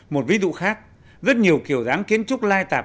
một ví dụ khác rất nhiều kiểu dáng kiến trúc lai tạp